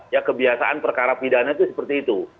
ya kebiasaan perkara pidana itu seperti itu